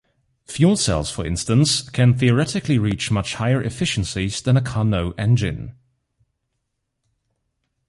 Fuel cells, for instance, can theoretically reach much higher efficiencies than a Carnot engine.